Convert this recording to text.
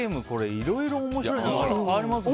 いろいろ面白いのありますね。